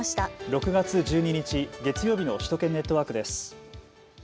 ６月１２日月曜日の首都圏ネットワークです。